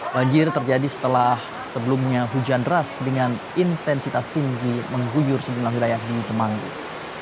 banjir terjadi setelah sebelumnya hujan deras dengan intensitas tinggi mengguyur sejumlah wilayah di temanggung